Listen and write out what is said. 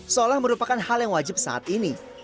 seolah merupakan hal yang wajib saat ini